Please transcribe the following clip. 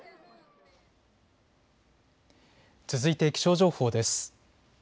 続いて気象情報です。